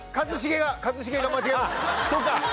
そうか。